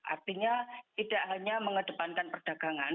artinya tidak hanya mengedepankan perdagangan